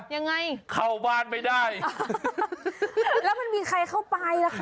ยังไงเข้าบ้านไม่ได้แล้วมันมีใครเข้าไปล่ะคะ